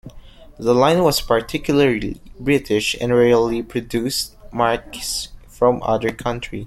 The line was particularly British and rarely produced marques from other countries.